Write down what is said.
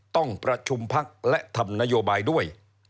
ต้องประชุมพักและทำนโยบายด้วย